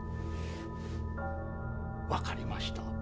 分かりました。